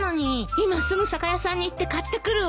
今すぐ酒屋さんに行って買ってくるわ。